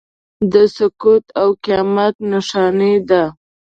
د سقوط او قیامت نښانه ده.